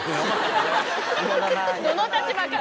どの立場から。